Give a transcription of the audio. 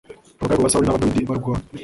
Abagaragu ba Sawuli n’aba Dawidi barwana